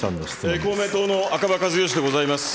公明党の赤羽一嘉でございます。